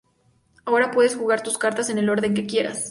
Ahora puedes jugar tus cartas en el orden que quieras.